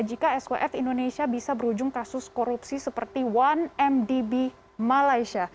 jika swf indonesia bisa berujung kasus korupsi seperti satu mdb malaysia